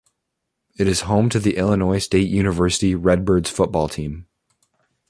It is home to the Illinois State University Redbirds football team.